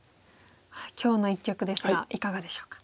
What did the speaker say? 今日の一局ですがいかがでしょうか？